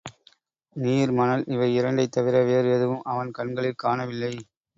நீர், மணல் இவை இரண்டைத் தவிர வேறு எதுவும் அவன் கண்களில் காணவில்லை.